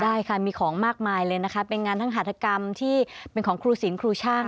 ได้ค่ะมีของมากมายเลยนะคะเป็นงานทั้งหัฐกรรมที่เป็นของครูศิลปครูช่าง